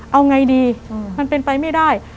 เอาไงดีมันเป็นไปไม่ได้